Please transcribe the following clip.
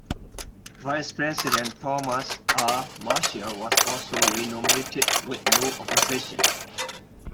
Vice President Thomas R. Marshall was also re-nominated with no opposition.